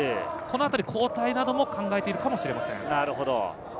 交代なども考えているかもしれません。